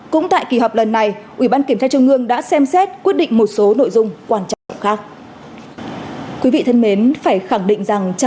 cũng tại kỳ họp lần này ủy ban kiểm tra trung ương đã xem xét quyết định một số nội dung quan trọng khác